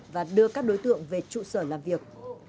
và đưa các đối tượng về trụ sở làm việc